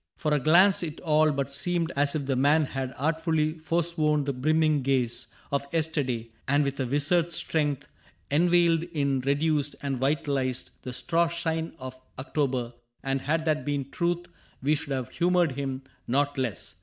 For a glance it all but seemed as if the man ^ Had artfully forsworn the brimming gaze Of yesterday, and with a wizard strength Inveigled in, reduced, and vitalized ^^ CAPTAIN CRAIG 55 The straw shine of October ; and had that Been truth, we should have humored him not less.